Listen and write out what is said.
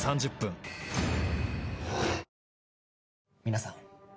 皆さん